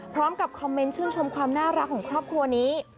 พร้อมกับคอมเมนต์ชื่นชมความน่ารักของครอบครัวนี้